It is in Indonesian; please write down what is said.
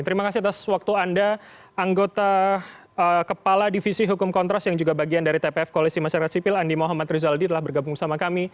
terima kasih atas waktu anda anggota kepala divisi hukum kontras yang juga bagian dari tpf koalisi masyarakat sipil andi muhammad rizaldi telah bergabung sama kami